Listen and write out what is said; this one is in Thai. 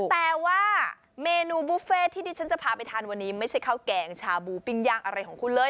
แต่ว่าเมนูบุฟเฟ่ที่ดิฉันจะพาไปทานวันนี้ไม่ใช่ข้าวแกงชาบูปิ้งย่างอะไรของคุณเลย